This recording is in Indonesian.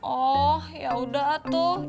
oh ya udah atuh